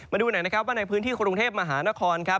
มาดูหน่อยนะครับว่าในพื้นที่กรุงเทพมหานครครับ